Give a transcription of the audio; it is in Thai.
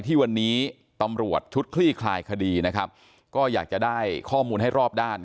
ที่วันนี้ตำรวจชุดคลี่คลายคดีนะครับก็อยากจะได้ข้อมูลให้รอบด้าน